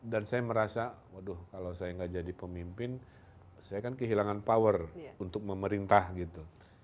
saya merasa waduh kalau saya nggak jadi pemimpin saya kan kehilangan power untuk memerintah gitu